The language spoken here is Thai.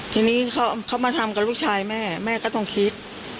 ทีนี้เขามาทำกับลูกชายแม่แม่ก็ต้องคิด